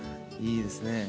いいですね。